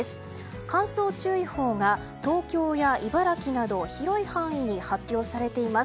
乾燥注意報が東京や茨城など広い範囲に発表されています。